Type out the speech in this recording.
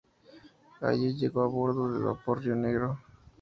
Allí llegó a bordo del vapor Río Negro.